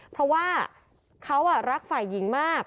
เพราะว่าเขารักฝ่ายหญิงมาก